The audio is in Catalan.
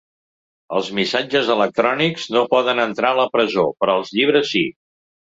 Els missatges electrònics no poden entrar a la presó, però els llibres sí.